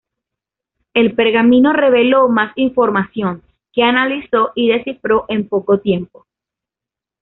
El pergamino reveló más información que analizó y descifró en poco tiempo.